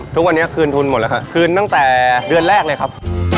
ทุกวันนี้คืนทุนหมดแล้วครับคืนตั้งแต่เดือนแรกเลยครับ